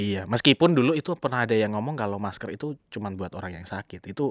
iya meskipun dulu itu pernah ada yang ngomong kalau masker itu cuma buat orang yang sakit